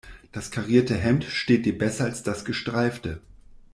Das karierte Hemd steht dir besser als das gestreifte.